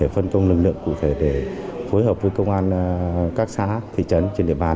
phân công lực lượng cụ thể để phối hợp với công an các xã thị trấn trên địa bàn